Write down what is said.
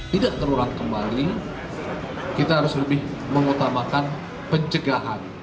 tidak terulang kembali kita harus lebih mengutamakan pencegahan